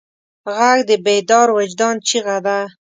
غږ د بیدار وجدان چیغه ده